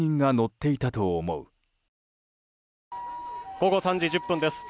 午後３時１０分です。